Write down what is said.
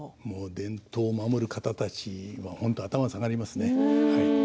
伝統を守る方たちは本当に頭が下がりますね。